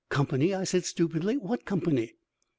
"Company?" I said stupidly. "What company?"